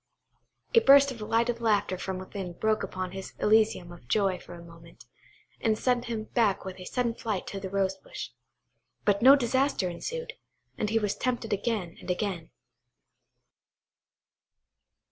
A burst of delighted laughter from within broke upon his elysium of joy for a moment, and sent him back with sudden flight to the rose bush. But no disaster ensued, and he was tempted again and again.